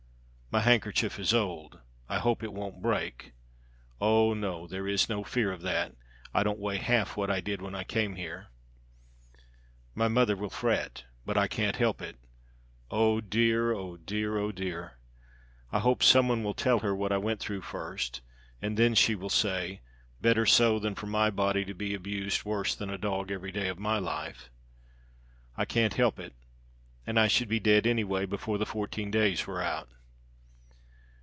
My handkerchief is old, I hope it won't break; oh, no! there is no fear of that. I don't weigh half what I did when I came here. "My mother will fret but I can't help it. Oh dear! oh dear! oh dear! I hope some one will tell her what I went through first; and then she will say, 'Better so than for my body to be abused worse than a dog every day of my life.' I can't help it! and I should be dead any way before the fourteen days were out.